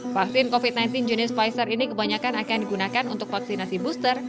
vaksin covid sembilan belas jenis pfizer ini kebanyakan akan digunakan untuk vaksinasi booster